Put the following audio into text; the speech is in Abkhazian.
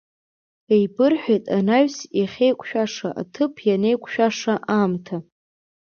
Еибырҳәеит анаҩс иахьеиқәшәаша аҭыԥ, ианеиқәшәаша аамҭа.